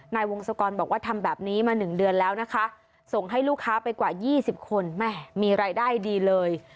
นายวงศกรบอกว่าทำแบบนี้มา๑เดือนแล้วนะคะส่งให้ลูกค้าไปกว่า๒๐คนแม่มีรายได้ดีเลย